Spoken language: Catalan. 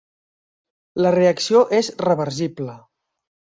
La reacció és reversible.